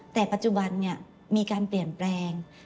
แต่ปัจจุบันมีการเปลี่ยนแปลง